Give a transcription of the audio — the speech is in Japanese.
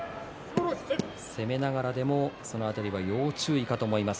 攻めながらでもその辺りは要注意かと思います